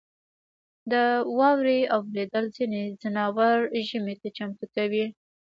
• د واورې اورېدل ځینې ځناور ژمي ته چمتو کوي.